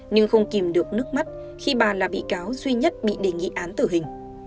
nhưng không kìm được nước mắt khi bà là bị cáo duy nhất bị đề nghị án tử hình